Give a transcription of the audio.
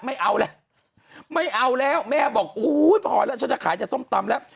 ไม่เอาแล้วไม่เอาแล้วแม่บอกอุ้ยพอแล้วฉันจะขายแต่ส้มตำแล้ว